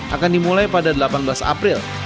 akan dimulai pada delapan belas april